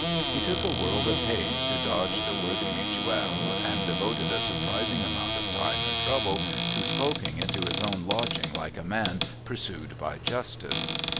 He took a world of pains to dodge the worthy Mutuel, and devoted a surprising amount of time and trouble to skulking into his own lodging like a man pursued by Justice.